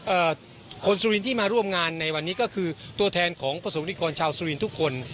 เอ่อคนสุรินที่มาร่วมงานในวันนี้ก็คือตัวแทนของประสบนิกรชาวสุรินทร์ทุกคน